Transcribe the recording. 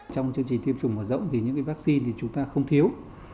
trong chương trình tiêm phòng ở rộng thì những vaccine chúng ta không thiếu